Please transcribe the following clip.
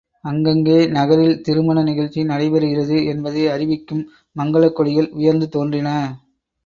அங்கங்கே நகரில் திருமண நிகழ்ச்சி நடைபெறுகிறது என்பதை அறிவிக்கும் மங்கலக் கொடிகள் உயர்ந்து தோன்றின.